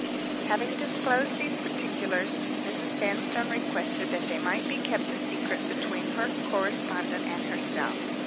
Having disclosed these particulars, Mrs. Vanstone requested that they might be kept a secret between her correspondent and herself.